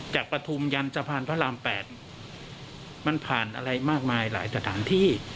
ปฐุมยันสะพานพระราม๘มันผ่านอะไรมากมายหลายสถานที่